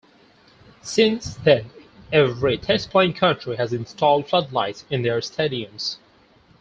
Since then every test playing country has installed floodlights in their stadiums.